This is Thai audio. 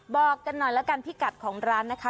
บอกกันหน่อยแล้วกันพี่กัดของร้านนะคะ